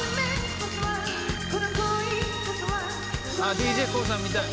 ・ＤＪＫＯＯさん見たい。